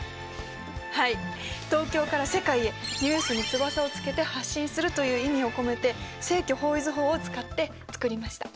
はい東京から世界へニュースに翼をつけて発信するという意味を込めて正距方位図法を使って作りました。